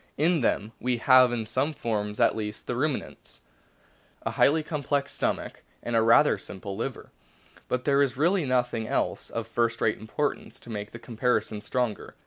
In them we have in some forms, at least the Ruminants, a highly complex stomach and a rather simple liver. But there is really nothing ioo A BOOK OF WHALES else of first rate importance to make the comparison stronger.